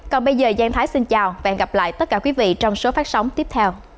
còn bây giờ giang thái xin chào và hẹn gặp lại tất cả quý vị trong số phát sóng tiếp theo